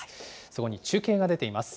そこに中継が出ています。